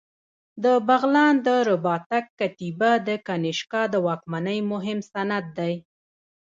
د بغلان د رباطک کتیبه د کنیشکا د واکمنۍ مهم سند دی